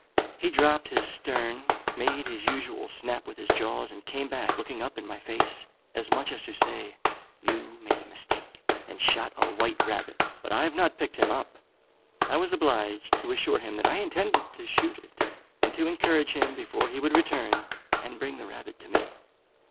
He dropped his stern, made his usual snap with his jaws, and came back looking up in my face, as much as to say, 'You've made a mistake, and shot a white rabbit, but I've not picked him up.' I was obliged to assure him that I intended to shoot it, and to encourage him before he would return and bring the rabbit to me.